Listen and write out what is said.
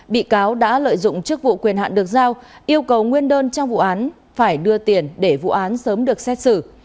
bị cáo đã lợi dụng chức vụ quyền hạn được giao yêu cầu nguyên đơn trong vụ án phải đưa tiền để vụ án sớm được xét xử